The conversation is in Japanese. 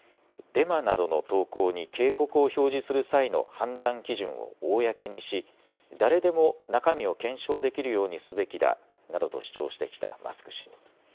デマなどの投稿に警告を表示する際の判断基準を公にし誰でも中身を検証できるようにすべきだなどと主張してきたマスク氏。